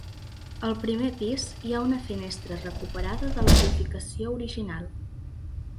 Al primer pis hi ha una finestra recuperada de l'edificació original.